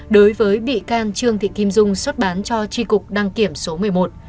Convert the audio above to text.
đối với bị can trương thị kim dung xuất bán cho tri cục đăng kiểm số một mươi một